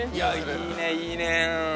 いいねいいね